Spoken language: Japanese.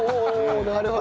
なるほど。